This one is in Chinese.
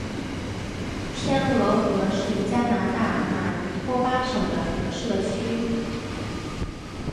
天鹅河是加拿大马尼托巴省的一个社区。